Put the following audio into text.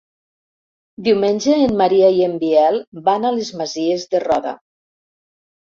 Diumenge en Maria i en Biel van a les Masies de Roda.